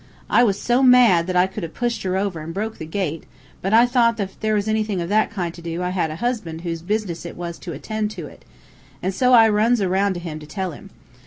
"I was so mad that I could have pushed her over an' broke the gate, but I thought that if there was anything of that kind to do I had a husband whose business it was to attend to it, an' so I runs aroun' to him to tell him.